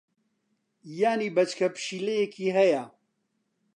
یانی بەچکە پشیلەیەکی ھەیە.